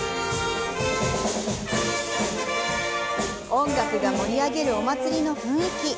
音楽が盛り上げるお祭りの雰囲気。